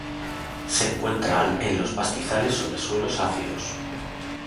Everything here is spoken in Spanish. Se encuentra en los pastizales sobre suelos ácidos.